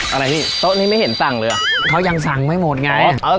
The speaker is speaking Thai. อะไรพี่โต๊ะนี้ไม่เห็นสั่งเลยเหรอเขายังสั่งไม่หมดไง